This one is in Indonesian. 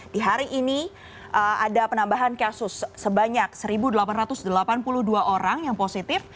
di hari ini ada penambahan kasus sebanyak satu delapan ratus delapan puluh dua orang yang positif